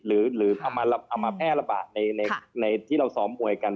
หรือเอามาแพร่ระบาดในที่เราซ้อมมวยกัน